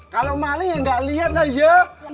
kalau maling ya nggak lihat lah ya